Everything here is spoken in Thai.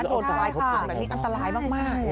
โดนตายค่ะแบบนี้อันตรายมาก